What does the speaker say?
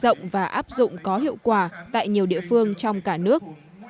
nhân dọng và áp dụng có hiệu quả tại nhiều địa phương trong cả nước